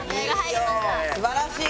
すばらしい！